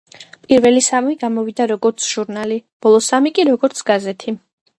პირველი სამი გამოვიდა როგორც ჟურნალი, ბოლო ორი კი როგორც გაზეთი.